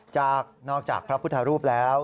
นอกจากพระพุทธรูปแล้ว